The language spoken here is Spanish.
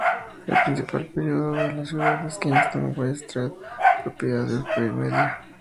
El principal periódico de la ciudad es el "Kingston Whig-Standard", propiedad de Osprey Media.